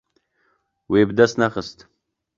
Wê bi dest nexist.